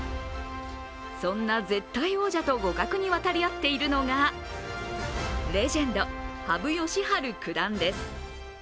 そんな絶対王者と互角に渡り合っているのがレジェンド・羽生善治九段です。